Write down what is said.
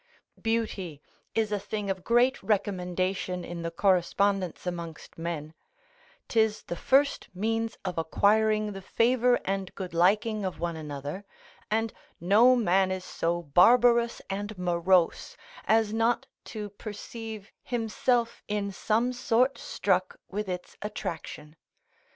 Beauty is a thing of great recommendation in the correspondence amongst men; 'tis the first means of acquiring the favour and good liking of one another, and no man is so barbarous and morose as not to perceive himself in some sort struck with its attraction.